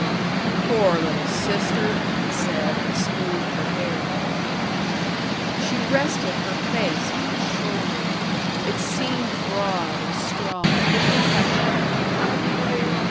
"Poor little sister!" he said, and smoothed her hair. She rested her face on his shoulder. It seemed broad and strong and protective.